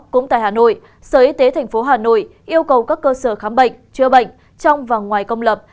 cũng tại hà nội sở y tế tp hà nội yêu cầu các cơ sở khám bệnh chữa bệnh trong và ngoài công lập